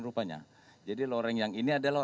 rupanya jadi loreng yang ini adalah